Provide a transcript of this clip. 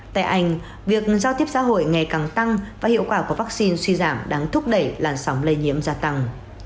tại anh việc giao tiếp xã hội ngày càng tăng và hiệu quả của vaccine suy giảm đáng thúc đẩy làn sóng lây nhiễm gia tăng